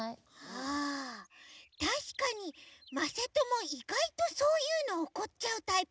ああたしかにまさともいがいとそういうのおこっちゃうタイプなのかも。